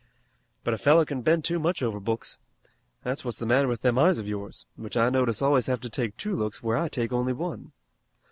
But a fellow can bend too much over books. That's what's the matter with them eyes of yours, which I notice always have to take two looks where I take only one."